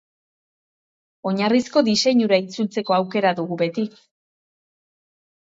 Oinarrizko diseinura itzultzeko aukera dugu beti.